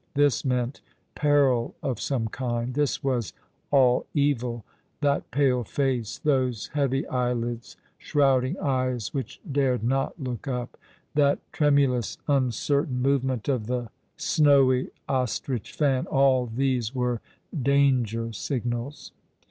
This meant peril of some kind. This was all evil. That pale face, those heavy eyelids, shrouding eyes which dared not look up. That tremulous, uncertain move ment of the snowy ostrich fan! All these were danger signals.